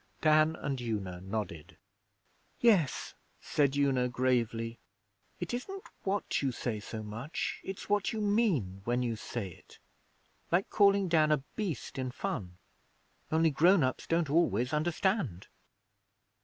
Dan and Una nodded. 'Yes,' said Una gravely. 'It isn't what you say so much. It's what you mean when you say it. Like calling Dan a beast in fun. Only grown ups don't always understand.'